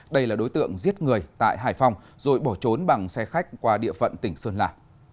đây là đối tượng giết người tại hải phòng rồi bỏ trốn bằng xe khách qua địa phận tỉnh sơn la